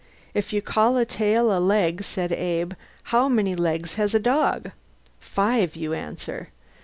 If you call a tail a leg, said Abe, how many legs has a dog? Five, you answer.